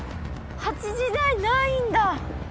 ８時台ないんだ。